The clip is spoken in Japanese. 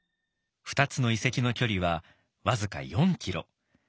２つの遺跡の距離は僅か４キロ。